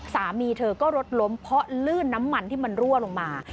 สามีเธอก็รถล้มเพราะลื่นน้ำมันที่มันรั่วลงมา